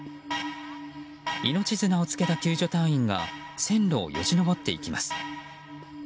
命綱をつけた救助隊員が線路をよじ登っていきます。